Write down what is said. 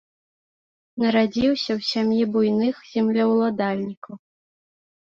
Нарадзіўся ў сям'і буйных землеўладальнікаў.